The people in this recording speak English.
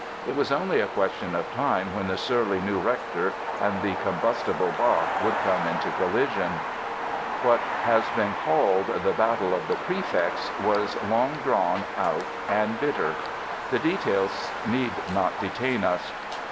It was only a question of time when the surly new rector and the combustible Bach would come into collision. What has been called the "battle of the Prefects" was long drawn out and bitter. The details need not detain us.